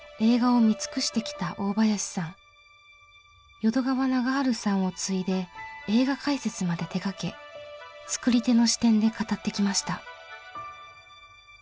淀川長治さんを継いで映画解説まで手がけ作り手の視点で語ってきました。